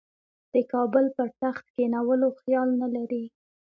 د کابل پر تخت کښېنولو خیال نه لري.